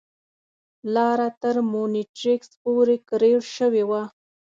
لاره تر مونیټریکس پورې کریړ شوې وه.